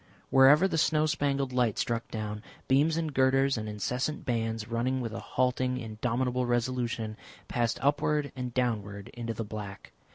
Wherever the snow spangled light struck down, beams and girders, and incessant bands running with a halting, indomitable resolution, passed upward and downward into the black.